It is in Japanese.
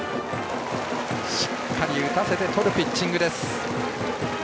しっかり打たせてとるピッチングです。